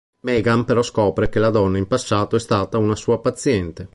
Megan però scopre che la donna in passato è stata una sua paziente.